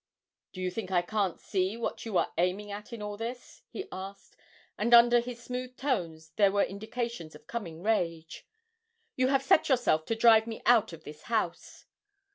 'Do you think I can't see what you are aiming at in all this?' he asked; and under his smooth tones there were indications of coming rage. 'You have set yourself to drive me out of this house!'